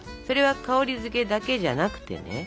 それは香りづけだけじゃなくてね。